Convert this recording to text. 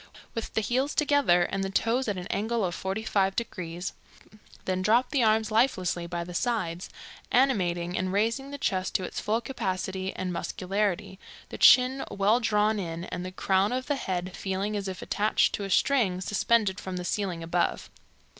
With the heels together and the toes at an angle of forty five degrees. Then drop the arms lifelessly by the sides, animating and raising the chest to its full capacity and muscularity, the chin well drawn in, and the crown of the head feeling as if attached to a string suspended from the ceiling above.